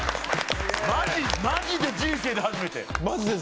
マジで人生で初めて。